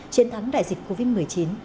chiến thắng đại dịch covid một mươi chín